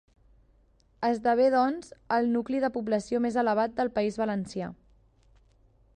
Esdevé doncs el nucli de població més elevat del País Valencià.